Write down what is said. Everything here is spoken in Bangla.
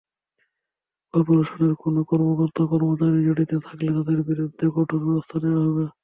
করপোরেশনের কোনো কর্মকর্তা-কর্মচারী জড়িত থাকলে তাঁদের বিরুদ্ধে কঠোর ব্যবস্থা নেওয়া হবে।